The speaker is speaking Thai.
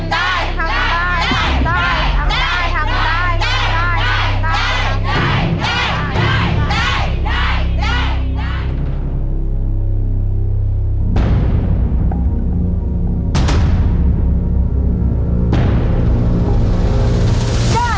ได้ครับ